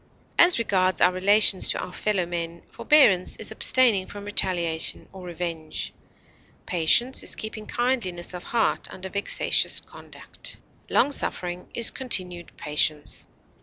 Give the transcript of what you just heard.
As regards our relations to our fellow men, forbearance is abstaining from retaliation or revenge; patience is keeping kindliness of heart under vexatious conduct; long suffering is continued patience.